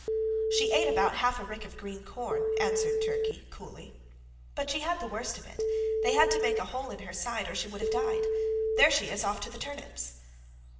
"She ate about half a rick of green corn," answered Turkey, coolly. "But she had the worst of it. They had to make a hole in her side, or she would have died. There she is off to the turnips!"